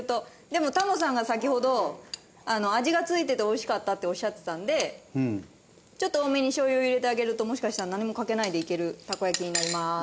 でもタモさんが先ほど味がついてて美味しかったっておっしゃってたんでちょっと多めに醤油を入れてあげるともしかしたら何もかけないでいけるたこ焼きになります。